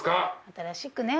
新しくね。